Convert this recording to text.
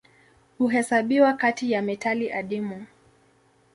Huhesabiwa kati ya metali adimu.